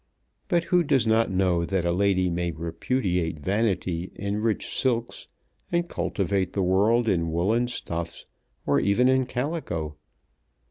But who does not know that a lady may repudiate vanity in rich silks and cultivate the world in woollen stuffs, or even in calico?